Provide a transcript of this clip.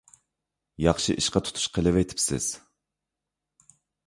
ياخشى ئىشقا تۇتۇش قىلىۋېتىپسىز.